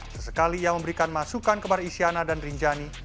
sesekali ia memberikan masukan kepada isyana dan rinjani